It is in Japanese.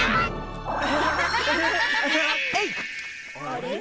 あれ？